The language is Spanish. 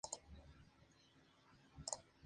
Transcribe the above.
En pleno verano, les faltaba agua potable.